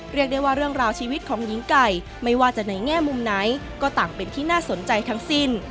เรียกได้ว่าเรื่องราวชีวิตของหญิงไก่ไม่ว่าจะในแง่มุมไหนก็ต่างเป็นที่น่าสนใจทั้งสิ้น